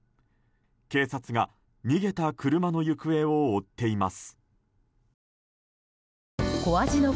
警察が逃げた車の行方を追っています。